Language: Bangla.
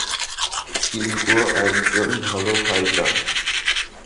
কিন্তু ও একজন ভালো ফাইটার।